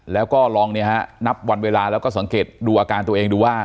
แล้วก็ลองเนี่ยฮะนับวันเวลาแล้วก็สังเกตดูอาการตัวเองดูว่า